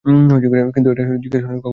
কিন্তু এটা জিগাস করে নি কখন আমি মারা যাবো।